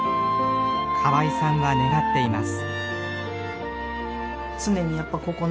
河合さんは願っています。